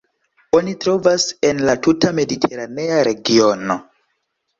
Oni trovas en la tuta mediteranea regiono.